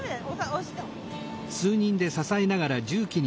押して。